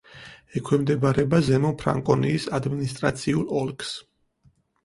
ექვემდებარება ზემო ფრანკონიის ადმინისტრაციულ ოლქს.